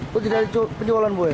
kok tidak ada penjualan buaya